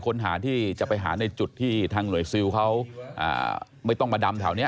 ค้นหาที่จะไปหาในจุดที่ทางหน่วยซิลเขาไม่ต้องมาดำแถวนี้